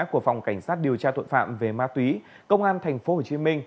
của phòng cảnh sát điều tra tội phạm về ma túy công an tp hcm